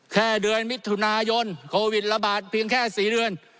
แค่เดือนมิถุนายนโควิดระบาดเพียงแค่๔เดือน